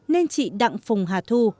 nên chị đặng phùng hà thu